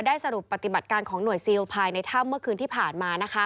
สรุปปฏิบัติการของหน่วยซิลภายในถ้ำเมื่อคืนที่ผ่านมา